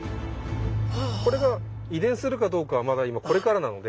これが遺伝するかどうかはまだ今これからなので。